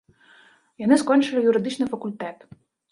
Яны скончылі юрыдычны факультэт.